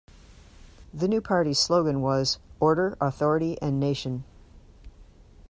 The new party's slogan was "Order, Authority and Nation".